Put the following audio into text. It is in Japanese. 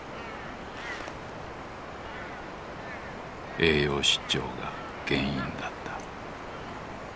栄養失調が原因だった。